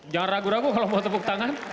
jangan ragu ragu kalau mau tepuk tangan